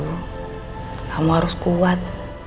katanya tuh kamu harus kuat